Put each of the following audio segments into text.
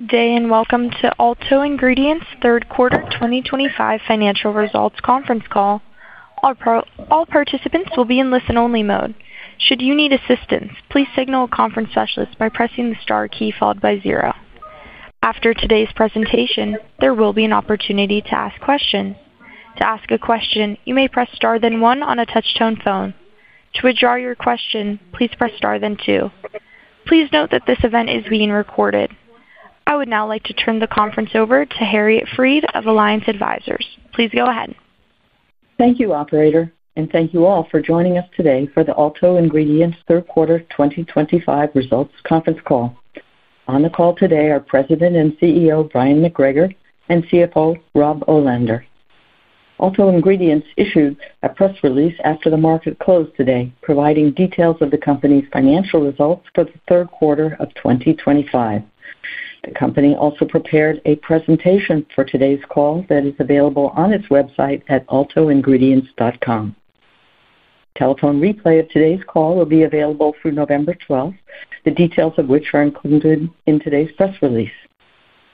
Good day and welcome to Alto Ingredients Third Quarter 2025 Financial Results Conference Call. All participants will be in listen-only mode. Should you need assistance, please signal a conference specialist by pressing the star key followed by zero. After today's presentation, there will be an opportunity to ask questions. To ask a question, you may press star then one on a touchtone phone. To withdraw your question, please press star then two. Please note that this event is being recorded. I would now like to turn the conference over to Harriet Fried of Alliance Advisors. Please go ahead. Thank you operator and thank you all for joining us today for the Alto Ingredients third quarter 2025 results conference call. On the call today are President and CEO Bryon McGregor and CFO Rob Olander. Alto Ingredients issued a press release after the market closed today providing details of the Company's financial results for 3Q2025. The company also prepared a presentation for today's call that is available on its website at altoingredients.com. A telephone replay of today's call will be available through November 12th, the details of which are included in today's press release.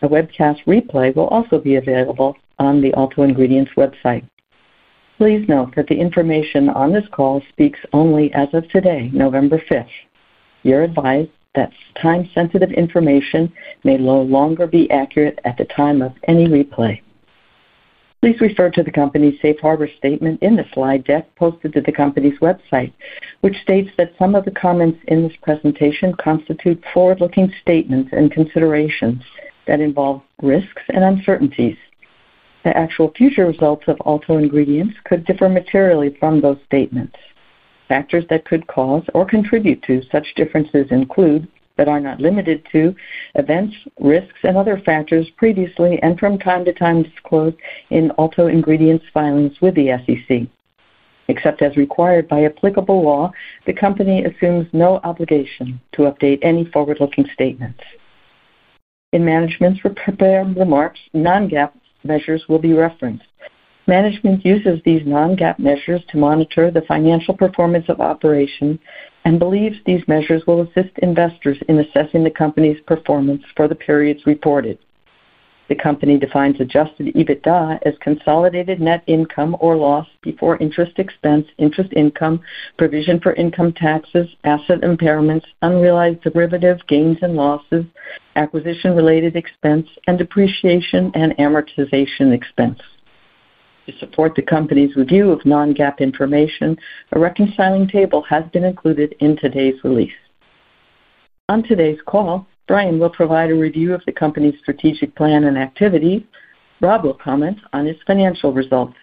A webcast replay will also be available on the Alto Ingredients website. Please note that the information on this call speaks only as of today, November 5th. You are advised that time sensitive information may no longer be accurate at the time of any replay. Please refer to the Company's Safe Harbor statement in the slide deck posted to the Company's website, which states that some of the comments in this presentation constitute forward-looking statements and considerations that involve risks and uncertainties. The actual future results of Alto Ingredients could differ materially from those statements. Factors that could cause or contribute to such differences include, but are not limited to, events, risks and other factors previously and from time to time disclosed in Alto Ingredients filings with the SEC. Except as required by applicable law, the Company assumes no obligation to update any forward-looking statements. In Management's prepared remarks, non-GAAP measures will be referenced. Management uses these non-GAAP measures to monitor the financial performance of operation and believes these measures will assist investors in assessing the Company's performance for the periods reported. The Company defines adjusted EBITDA as consolidated net income or loss before interest expense, interest income, provision for income taxes, asset impairments, unrealized derivative gains and losses, acquisition related expense, and depreciation and amortization expense. To support the Company's review of non-GAAP information, a reconciling table has been included in today's release. On today's call, Bryon will provide a review of the Company's strategic plan and activities. Rob will comment on his financial results.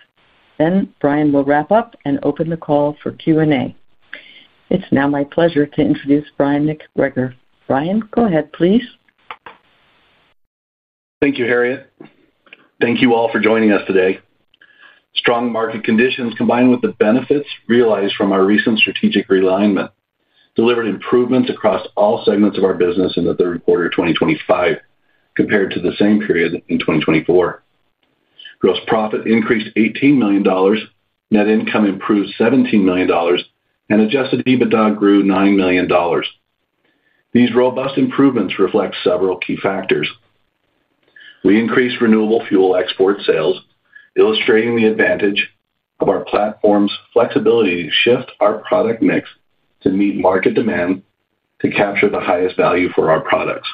Bryon will wrap up and open the call for Q and A. It's now my pleasure to introduce Bryon McGregor. Bryon, go ahead please. Thank you, Harriet. Thank you all for joining us today. Strong market conditions combined with the benefits realized from our recent strategic realignment delivered improvements across all segments of our business in the third quarter 2025 compared to the same period in 2024. Gross profit increased $18 million, net income improved $17 million, and adjusted EBITDA grew $9 million. These robust improvements reflect several key factors. We increased renewable fuel export sales, illustrating the advantage of our platform's flexibility to shift our product mix to meet market demand to capture the highest value for our products.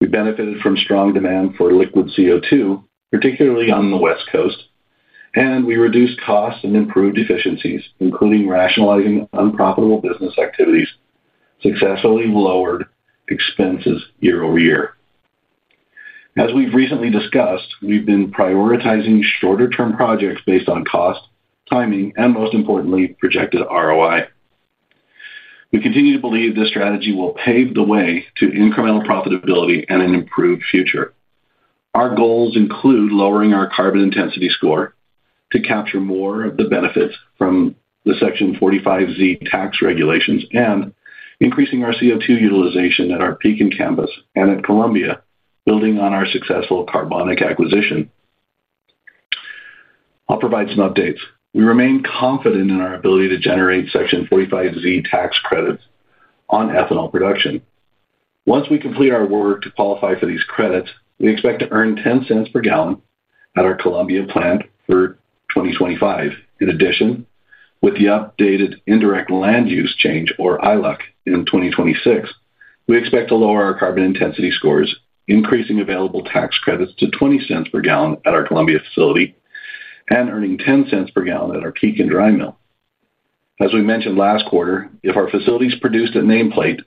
We benefited from strong demand for liquid CO2, particularly on the West Coast, and we reduced costs and improved efficiencies, including rationalizing unprofitable business activities, successfully lowered expenses year over year. As we've recently discussed, we've been prioritizing shorter term projects based on cost, timing, and most importantly, projected ROI. We continue to believe this strategy will pave the way to incremental profitability and an improved future. Our goals include lowering our carbon intensity score to capture more of the benefits from the Section 45Z tax regulations and increasing our CO2 utilization at our Pekin campus and at Columbia. Building on our successful Carbonic acquisition, I'll provide some updates. We remain confident in our ability to generate Section 45Z tax credits on ethanol production once we complete our work. To qualify for these credits, we expect to earn $0.10 per gallon at our Columbia plant for 2025. In addition, with the updated indirect land use change or ILUC in 2026, we expect to lower our carbon intensity scores, increasing available tax credits to $0.20 per gallon at our Columbia facility and earning $0.10 per gallon at our Pekin dry mill. As we mentioned last quarter, if our facilities produced at nameplate,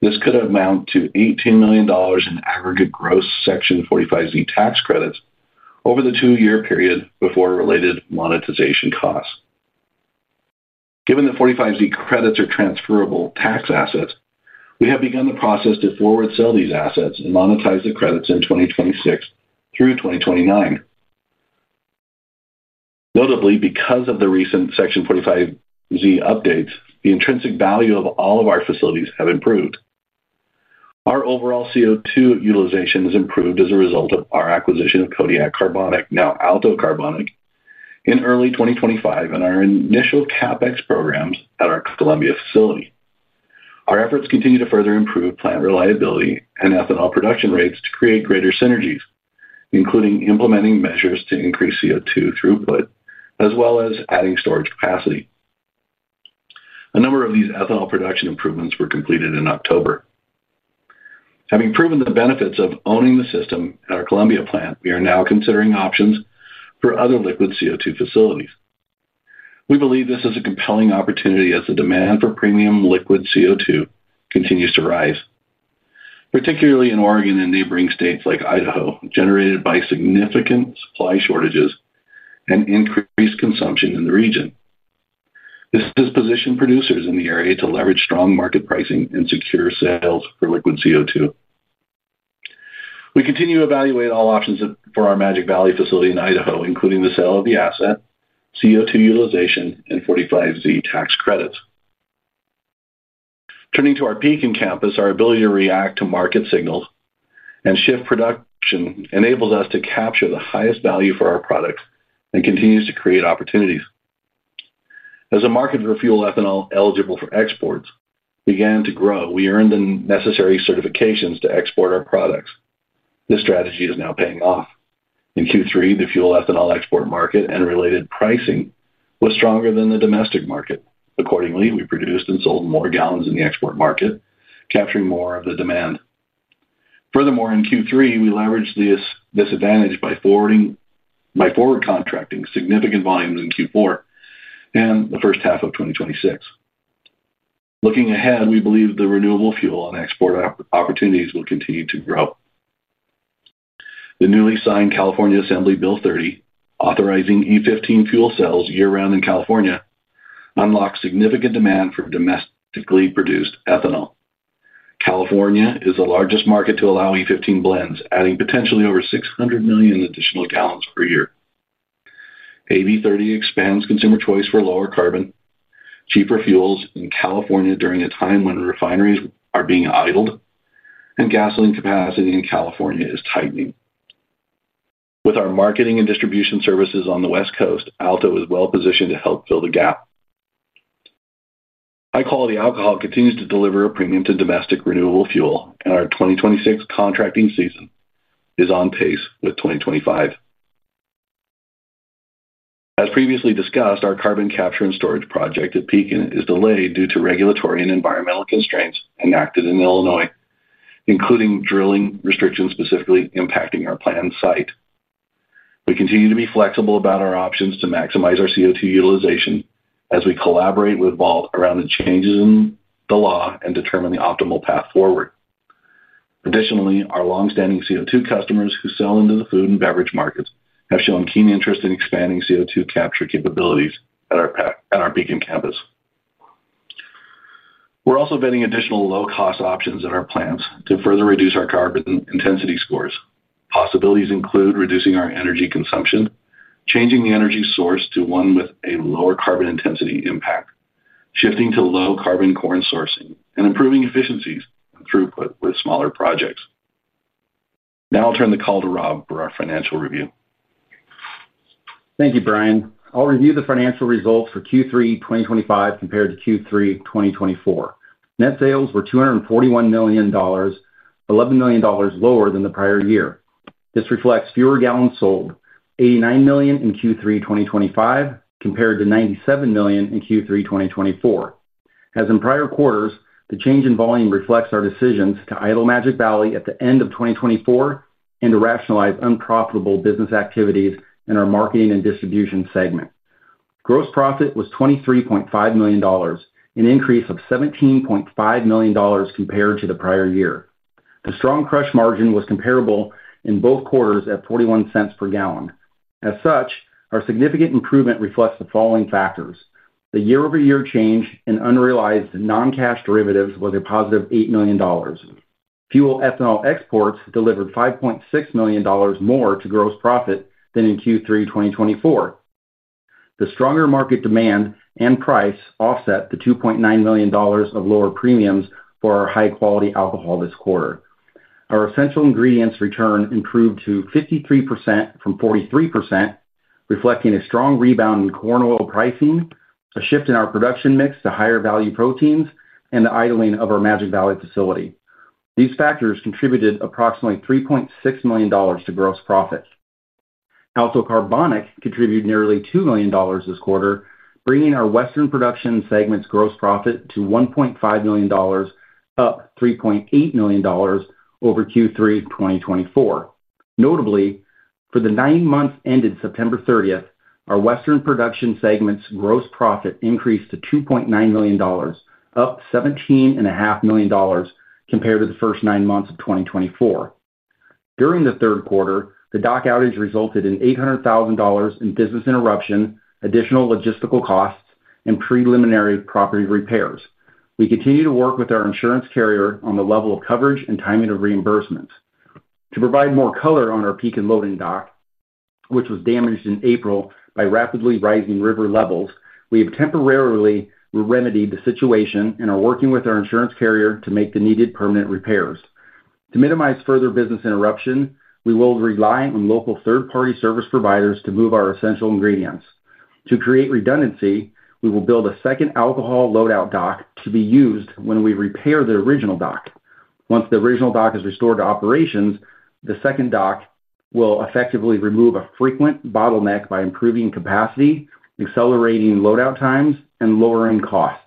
this could amount to $18 million in aggregate gross Section 45Z tax credits over the two year period before related monetization costs. Given that 45Z credits are transferable tax assets, we have begun the process to forward sell these assets and monetize the credits in 2026 through 2029. Notably, because of the recent Section 45Z updates, the intrinsic value of all of our facilities have improved. Our overall CO2 utilization has improved as a result of our acquisition of Alto Carbonic, in early 2025. In our initial CapEx programs at our Columbia facility, our efforts continue to further improve plant reliability and ethanol production rates to create greater synergies, including implementing measures to increase CO2 throughput as well as adding storage capacity. A number of these ethanol production improvements were completed in October. Having proven the benefits of owning the system at our Columbia plant, we are now considering options for other liquid CO2 facilities. We believe this is a compelling opportunity as the demand for premium liquid CO2 continues to rise, particularly in Oregon and neighboring states like Idaho. Generated by significant supply shortages and increased consumption in the region, this positions producers in the area to leverage strong market pricing and secure sales for liquid CO2. We continue to evaluate all options for our Magic Valley facility in Idaho, including the sale of the asset, CO2 utilization, and 45Z tax credits. Turning to our Pekin campus, our ability to react to market signals and shift production enables us to capture the highest value for our products and continues to create opportunities. As a market for fuel ethanol eligible for exports began to grow, we earned the necessary certifications to export our products. This strategy is now paying off. In Q3, the fuel ethanol export market and related pricing was stronger than the domestic market. Accordingly, we produced and sold more gallons in the export market, capturing more of the demand. Furthermore, in Q3, we leveraged this disadvantage by forward contracting significant volumes in Q4 and the first half of 2026. Looking ahead, we believe the renewable fuel and export opportunities will continue to grow. The newly signed California Assembly Bill 30 authorizing E15 fuel sales year round in California unlocks significant demand for domestically produced ethanol. California is the largest market to allow E15 blends, adding potentially over 600 million additional gallons per year. AB 30 expands consumer choice for lower carbon, cheaper fuels in California during a time when refineries are being idled and gasoline capacity in California is tightening. With our marketing and distribution services on the West Coast, Alto is well positioned to help fill the gap. High quality alcohol continues to deliver a premium to domestic renewable fuel in our 2026. Contracting season is on pace with 2025. As previously discussed, our carbon capture and storage project at Pekin is delayed due to regulatory and environmental constraints enacted in Illinois, including drilling restrictions specifically impacting our planned site. We continue to be flexible about our options to maximize our CO2 utilization as we collaborate with Vault around the changes in the law and determine the optimal path forward. Additionally, our long-standing CO2 customers who sell into the food and beverage markets have shown keen interest in expanding CO2 capture capabilities at our Pekin campus. We're also vetting additional low-cost options at our plants to further reduce our carbon intensity scores. Possibilities include reducing our energy consumption, changing the energy source to one with a lower carbon intensity impact, shifting to low-carbon corn sourcing, and improving efficiencies and throughput with smaller projects. Now I'll turn the call to Rob for our financial review. Thank you Bryon. I'll review the financial results for Q3 2025. Compared to Q3 2024, net sales were $241 million, $11 million lower than the prior year. This reflects fewer gallons sold, 89 million in Q3 2025 compared to 97 million in Q3 2024. As in prior quarters, the change in volume reflects our decisions to idle Magic Valley at the end of 2024 and to rationalize unprofitable business activities. In our marketing and distribution segment, gross profit was $23.5 million, an increase of $17.5 million compared to the prior year. The strong crush margin was comparable in both quarters at $0.41 per gallon. As such, our significant improvement reflects the following factors. The year over year change in unrealized noncash derivatives was a positive $8 million. Fuel ethanol exports delivered $5.6 million more to gross profit than in Q3 2024. The stronger market demand and price offset the $2.9 million of lower premiums for our high quality alcohol. This quarter, our essential ingredients return improved to 53% from 43%, reflecting a strong rebound in corn oil pricing, a shift in our production mix to higher value proteins and the idling of our Magic Valley facility. These factors contributed approximately $3.6 million to gross profit. Alto Carbonic contributed nearly $2 million this quarter, bringing our Western production segment's gross profit to $1.5 million, up $3.8 million over Q3 2024. Notably, for the nine months ended September 30, our Western production segment's gross profit increased to $2.9 million, up $17.5 million compared to the first nine months of 2024. During the third quarter, the dock outage resulted in $800,000 in business interruption, additional logistical costs and preliminary property repairs. We continue to work with our insurance carrier on the level of coverage and timing of reimbursements to provide more color on our Pekin loading dock, which was damaged in April by rapidly rising river levels. We have temporarily remedied the situation and are working with our insurance carrier to make the needed permanent repairs. To minimize further business interruption, we will rely on local third party service providers to move our essential ingredients to create redundancy. We will build a second alcohol loadout dock to be used when we repair the original dock. Once the original dock is restored to operations, the second dock will effectively remove a frequent bottleneck by improving capacity, accelerating loadout times, and lowering costs.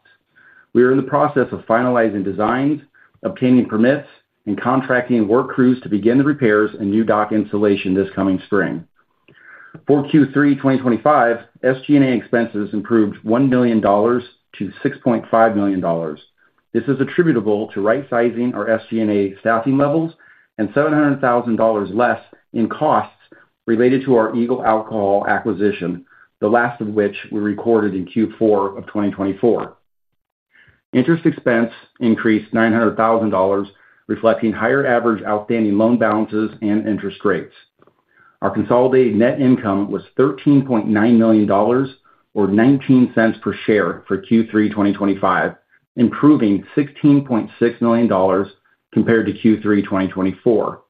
We are in the process of finalizing designs, obtaining permits, and contracting work crews to begin the repairs and new dock installation this coming spring. For Q3 2025, SG&A expenses improved $1 million to $6.5 million. This is attributable to right sizing our SG&A staffing levels and $700,000 less in costs related to our Eagle Alcohol acquisition, the last of which we recorded in Q4 of 2024. Interest expense increased $900,000, reflecting higher average outstanding loan balances and interest rates. Our consolidated net income was $13.9 million or $0.19 per share for Q3 2025, improving $16.6 million compared to Q3 2024.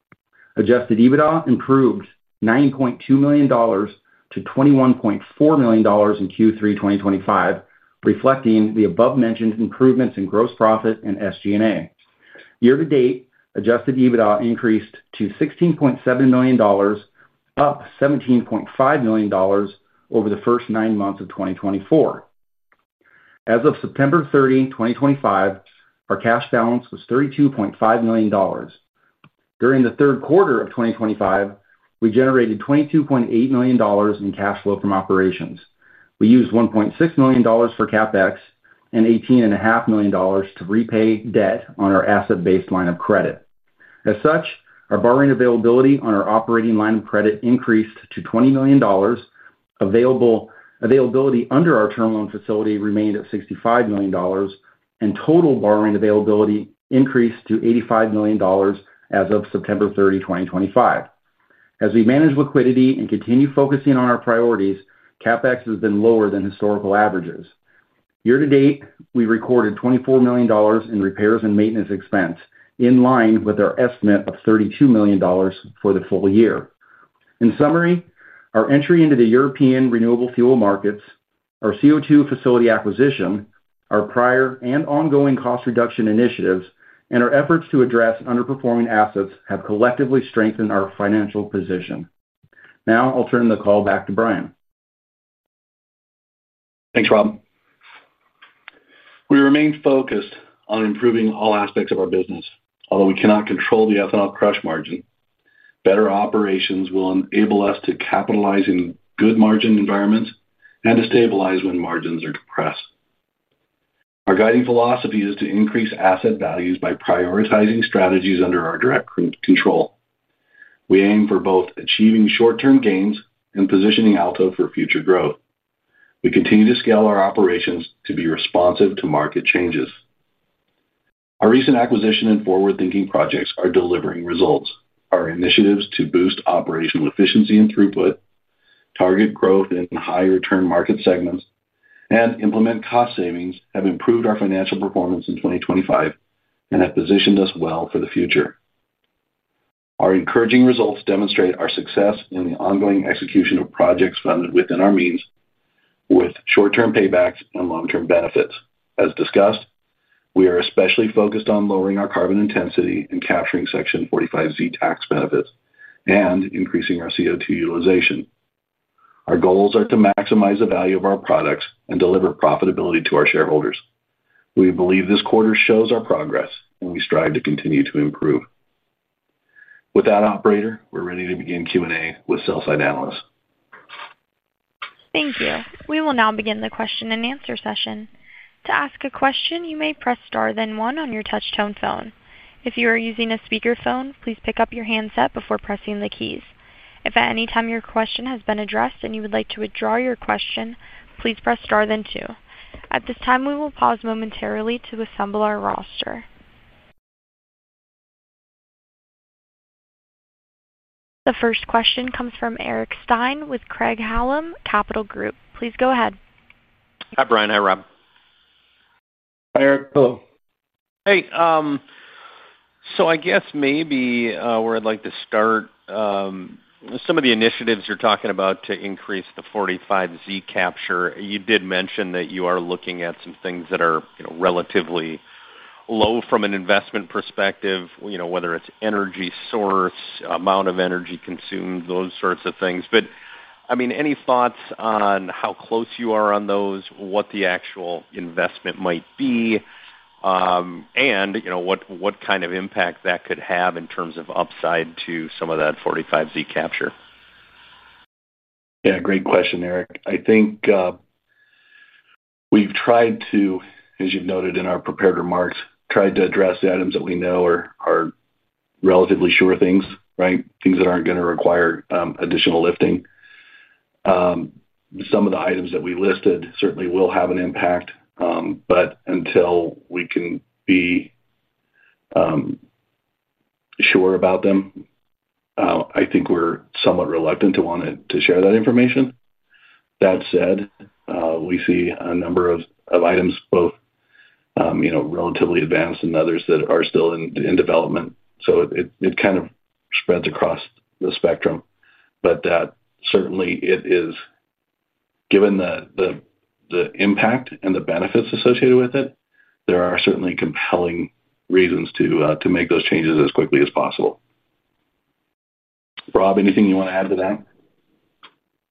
Adjusted EBITDA improved $9.2 million to $21.4 million in Q3 2025, reflecting the above mentioned improvements in gross profit. In SG&A year to date, adjusted EBITDA increased to $16.7 million, up $17.5 million over the first nine months of 2024. As of September 30, 2025, our cash balance was $32.5 million. During the third quarter of 2025, we generated $22.8 million in cash flow from operations. We used $1.6 million for CapEx and $18.5 million to repay debt on our asset based line of credit. As such, our borrowing availability on our operating line of credit increased to $20 million. Availability under our term loan facility remained at $65 million and total borrowing availability increased to $85 million as of September 30, 2025. As we manage liquidity and continue focusing on our priorities, CapEx has been lower than historical averages. Year to date, we recorded $24 million in repairs and maintenance expense, in line with our estimate of $32 million for the full year. In summary, our entry into the European renewable fuel markets, our CO2 facility acquisition, our prior and ongoing cost reduction initiatives, and our efforts to address underperforming assets have collectively strengthened our financial position. `Now I'll turn the call back to Bryon. Thanks Rob. We remain focused on improving all aspects of our business. Although we cannot control the ethanol crush margin, better operations will enable us to capitalize in good margin environments and to stabilize when margins are depressed. Our guiding philosophy is to increase asset values by prioritizing strategies under our direct control. We aim for both achieving short term gains and positioning Alto for future growth. We continue to scale our operations to be responsive to market changes. Our recent acquisition and forward thinking projects are delivering results. Our initiatives to boost operational efficiency and throughput, target growth in high return market segments and implement cost savings have improved our financial performance in 2025 and have positioned us well for the future. Our encouraging results demonstrate our success in the ongoing execution of projects funded within our means with short term paybacks and long term benefits. As discussed, we are especially focused on lowering our carbon intensity and capturing Section 45Z tax benefits and increasing our CO2 utilization. Our goals are to maximize the value of our products and deliver profitability to our shareholders. We believe this quarter shows our progress and we strive to continue to improve with that operator. We are ready to begin Q&A with sell-side analysts. Thank you. We will now begin the Question and Answer session. To ask a question, you may press Star then one on your touchtone phone. If you are using a speakerphone, please pick up your handset before pressing the keys. If at any time your question has been addressed and you would like to withdraw your question, please press Star then two. At this time we will pause momentarily to assemble our roster. The first question comes from Eric Stine with Craig-Hallum Capital Group. Please go ahead. Hi Bryon. Hi Rob. Hi Eric. Hello. Hey, so I guess maybe where I'd like to start, some of the initiatives you're talking about to increase the 45Z capture. You did mention that you are looking at some things that are relatively low from an investment perspective, whether it's energy source, amount of energy consumed, those sorts of things. Any thoughts on how close you are on those, what the actual investment might be, and what kind of impact that could have in terms of upside to some of that 45Z capture? Yeah, great question, Eric. I think we've tried to, as you've noted in our prepared remarks, tried to address the items that we know are relatively sure things, right, things that aren't going to require additional lifting. Some of the items that we listed certainly will have an impact, but until we can be sure about them, I think we're somewhat reluctant to want to share that information. That said, we see a number of items both, you know, relatively advanced and others that are still in development. It kind of spreads across the spectrum, but that certainly it is, given the impact and the benefits associated with it, there are certainly compelling reasons to make those changes as quickly as possible. Rob, anything you want to add to that?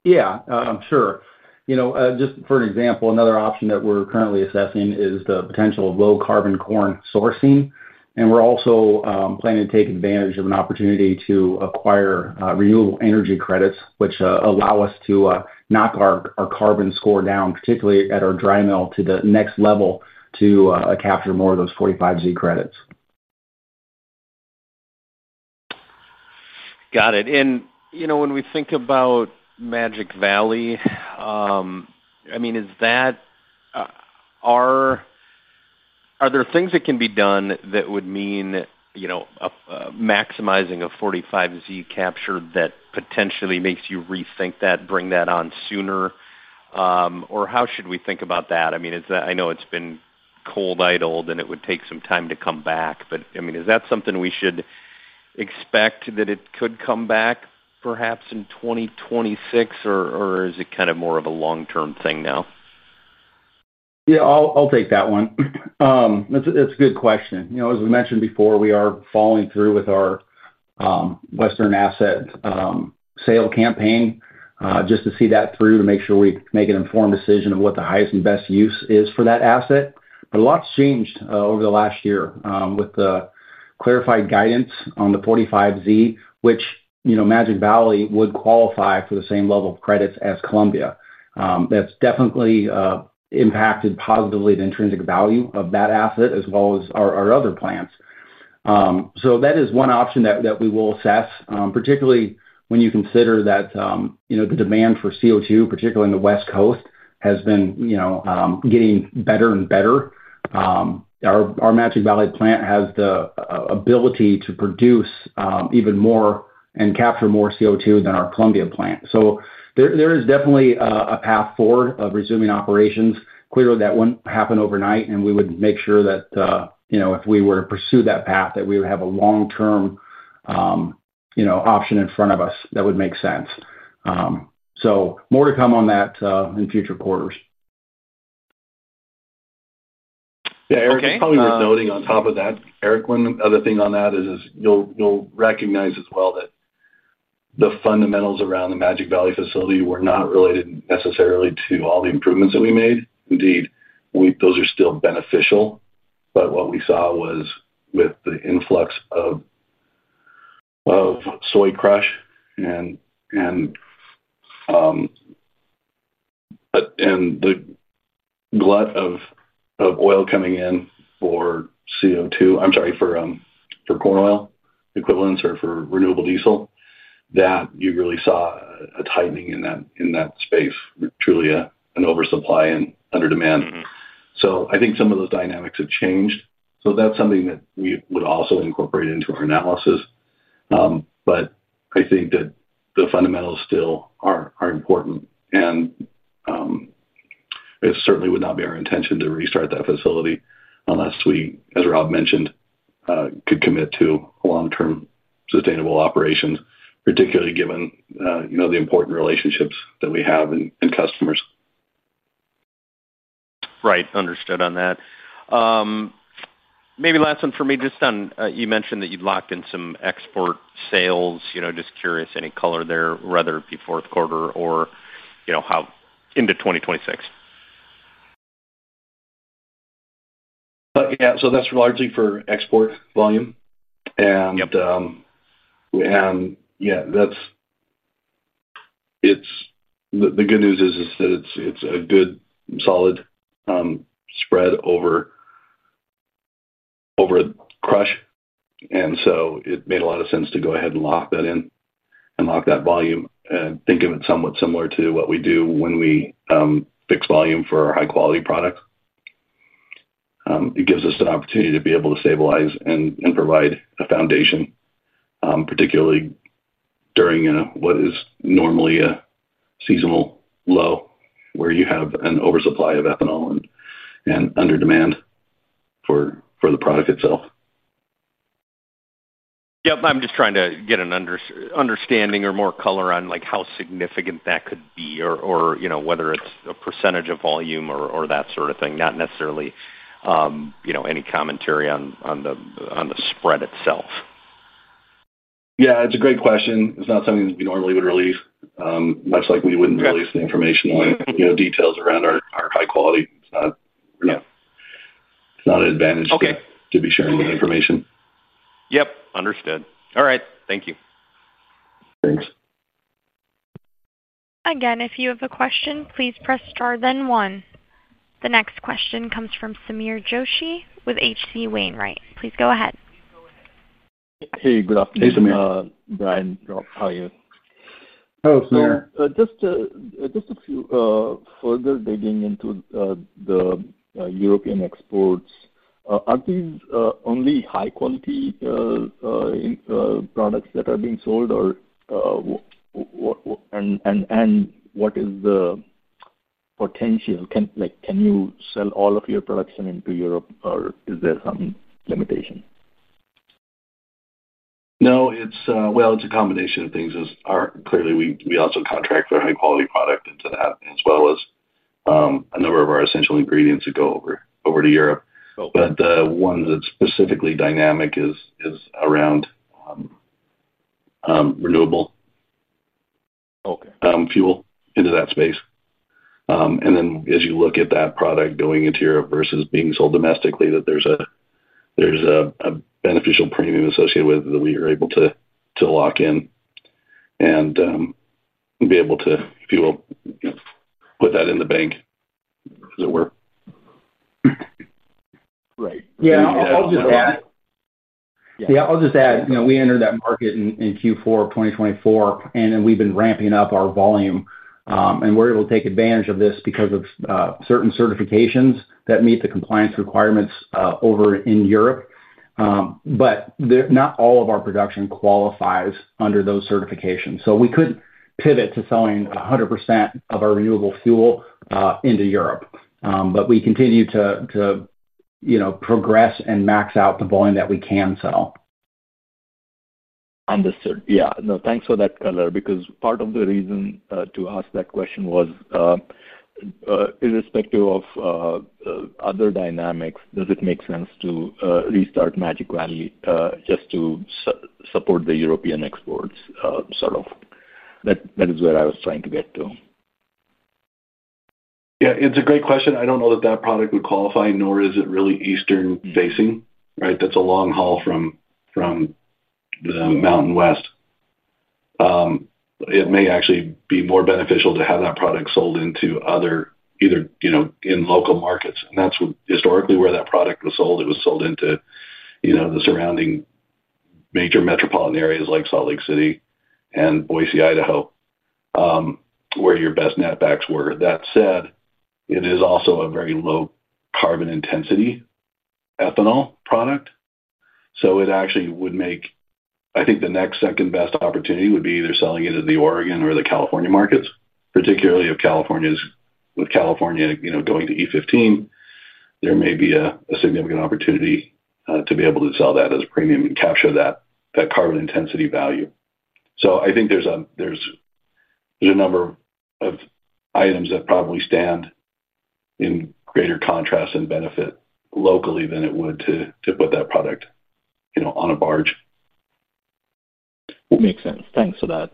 Yeah, sure. You know, just for an example, another option that we're currently assessing is the potential of low carbon corn sourcing. We're also planning to take advantage of an opportunity to acquire renewable energy credits which allow us to knock our carbon score down, particularly at our dry mill, to the next level, to capture more of those 45Z credits. Got it. You know, when we think about Magic Valley, I mean, is that. -- Are. -- There are things that can be done that would mean, you know, maximizing a 45Z capture that potentially makes you rethink that, bring that on sooner or how should we think about that? I mean, I know it's been cold idled and it would take some time to come back, but I mean, is that something we should expect, that it could come back perhaps in 2026, or is it kind of more of a long term thing now? Yeah, I'll take that one. It's a good question. You know, as we mentioned before, we are following through with our Western asset sale campaign just to see that through, to make sure we make an informed decision of what the highest and best use is for that asset. A lot's changed over the last year with the clarified guidance on the 45Z, which, you know, Magic Valley would qualify for the same level of credits as Columbia. That's definitely impacted positively the intrinsic value of that asset as well as our other plants. That is one option that we will assess. Particularly when you consider that the demand for CO2, particularly in the West Coast, has been getting better and better. Our Magic Valley plant has the ability to produce even more and capture more CO2 than our Columbia plant. There is definitely a path forward of resuming operations. Clearly that would not happen overnight and we would make sure that, you know, if we were to pursue that path, that we would have a long term, you know, option in front of us that would make sense. More to come on that in future quarters. Yeah, Eric. It's probably worth noting on top of that, Eric, one other thing on that is you'll recognize as well that the fundamentals around the Magic Valley facility were not related necessarily to all the improvements that we made. Indeed, those are still beneficial. What we saw was with the influx of soy crush and the glut of oil coming in for CO2, I'm sorry, for corn oil equivalents or for renewable diesel, that you really saw a tightening in that space, truly an oversupply and under demand. I think some of those dynamics have changed. That is something that we would also incorporate into our analysis. I think that the fundamentals still are important and it certainly would not be our intention to restart that facility unless we, as Rob mentioned, could commit to long-term sustainable operations, particularly given, you know, the important relationships that we have and customers. Right, understood on that. Maybe. Last one for me, just on you mentioned that you'd locked in some export sales. You know, just curious, any color there, whether it be fourth quarter or, you know, how into 2026. Yeah, so that's largely for export volume and yeah, the good news is that it's a good solid spread over crush and it made a lot of sense to go ahead and lock that in and lock that volume. Think of it somewhat similar to what we do when we fix volume for high quality products. It gives us an opportunity to be able to stabilize and provide a foundation, particularly during what is normally a seasonal low where you have an oversupply of ethanol and under demand for the product itself. Yep. I'm just trying to get an understanding or more color on like how significant that could be or whether it's a percentage of volume or that sort of thing. Not necessarily any commentary on the spread itself. Yeah, it's a great question. It's not something that we normally would release much like we wouldn't release the information details around our high quality. It's not an advantage to be sharing this information. Yep, understood. All right, thank you. Thanks. Again. If you have a question, please press star then one. The next question comes from Sameer Joshi with H.C. Wainwright. Please go ahead. Hey, good afternoon. Hey Sameer. Bryon, how are you? Hello, Samir. Just a few further digging into the European exports. Are these only high quality products that are being sold, or? And what is the potential? Can you sell all of your production into Europe, or is there some limitation? No, it's a combination of things. Clearly, we also contract for high quality product into that as well as a number of our essential ingredients that go over to Europe. The one that's specifically dynamic is around renewable fuel into that space. As you look at that product going into Europe versus being sold domestically, there's a beneficial premium associated with that we are able to lock in and be able to, if you will, put that in the bank, as it were. Right, yeah. I'll just add, you know, we entered that market in Q4 of 2024 and we've been ramping up our volume and we're able to take advantage of this because of certain certifications that meet the compliance requirements over in Europe. Not all of our production qualifies under those certifications. We could pivot to selling 100% of our renewable fuel into Europe. We continue to progress and max out the volume that we can sell. Understood. Yeah, no, thanks for that color. Because part of the reason to ask that question was irrespective of other dynamics, does it make sense to restart Magic Valley just to support the European exports? Sort of. That is where I was trying to get to. Yeah, it's a great question. I don't know that that product would qualify nor is it really eastern facing. Right. That's a long haul from the mountain West. It may actually be more beneficial to have that product sold into other either, you know, in local markets. And that's historically where that product was sold. It was sold into the surrounding major metropolitan areas like Salt Lake City and Boise, Idaho, where your best netbacks were. That said, it is also a very low carbon intensity ethanol product. So it actually would make, I think the next second best opportunity would be either selling it in the Oregon or the California markets. Particularly if California is. With California going to E15, there may be a significant opportunity to be able to sell that as premium and capture that carbon intensity value. So I think there's a number of items that probably stand in greater contrast and benefit locally than it would to put that product on a barge. Makes sense. Thanks for that.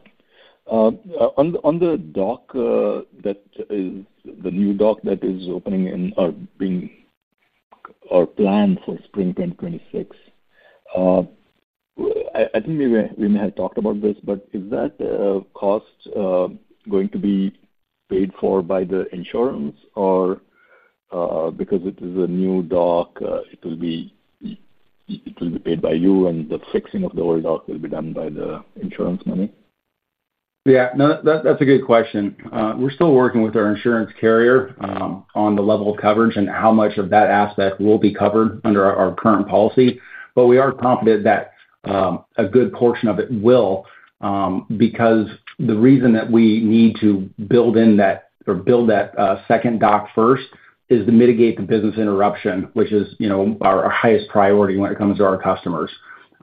On the dock, that is the new dock that is opening or being planned for spring 2026. I think we may have talked about this, but is that cost going to be paid for by the insurance or because it is a new dock? It. Will it be paid by you and the fixing of the old dock will be done by the insurance money? Yeah, that's a good question. We're still working with our insurance carrier on the level of coverage and how much of that aspect will be covered under our current policy. We are confident that a good portion of it will because the reason that we need to build in that or build that second dock first is to mitigate the business interruption, which is, you know, our highest priority when it comes to our customers.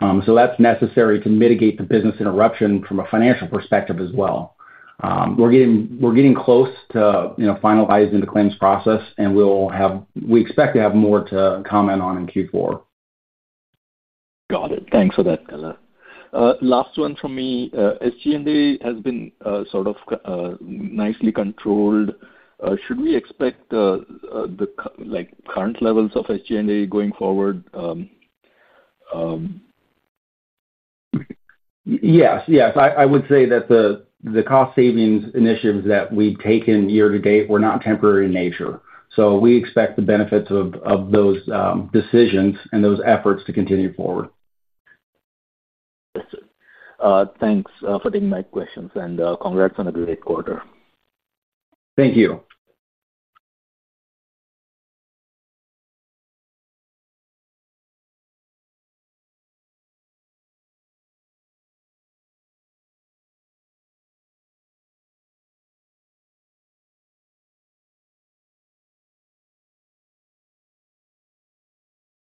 That's necessary to mitigate the business interruption from a financial perspective as well. We're getting close to finalizing the claims process and we expect to have more to comment on in Q4. Got it. Thanks for that. Last one from me. SG&A has been sort of nicely controlled. Should we expect the like current levels of SG&A going forward? Yes. I would say that the cost savings initiatives that we've taken year to date were not temporary in nature. We expect the benefits of those decisions and those efforts to continue forward. Thanks for taking my questions, and congrats on a great quarter. Thank you.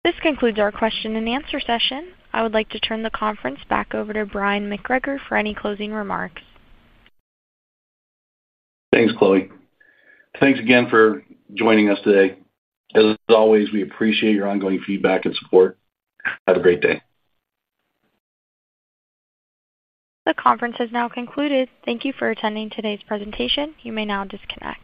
This concludes our question and answer session. I would like to turn the conference back over to Bryon McGregor for any closing remarks. Thanks, Chloe. Thanks again for joining us today. As always, we appreciate your ongoing feedback and support. Have a great day. The conference has now concluded. Thank you for attending today's presentation. You may now disconnect.